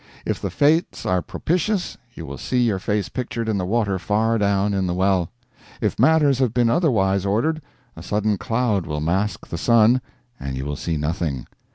If the fates are propitious, you will see your face pictured in the water far down in the well. If matters have been otherwise ordered, a sudden cloud will mask the sun and you will see nothing.